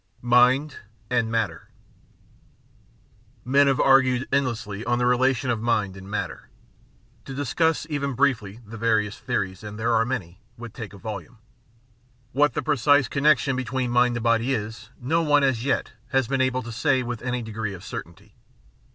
Mind and Matter Men have argued endlessly on the relation of mind and matter. To discuss, even briefly, the various theories — and there ere many — ^would take a volimie. What the precise connection between mind and body is, no one, as yet, has been able to say with any degree of certainty.